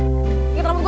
tinggal rambut gue